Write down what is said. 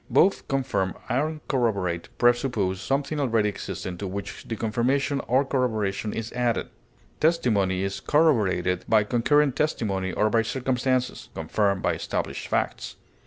Both confirm and corroborate presuppose something already existing to which the confirmation or corroboration is added. Testimony is corroborated by concurrent testimony or by circumstances; confirmed by established facts.